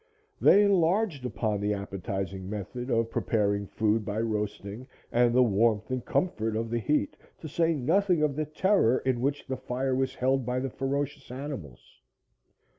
They enlarged upon the appetizing method of preparing food by roasting, and the warmth and comfort of the heat, to say nothing of the terror in which the fire was held by the ferocious animals.